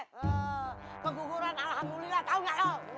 pegungguran alhamdulillah tau gak lo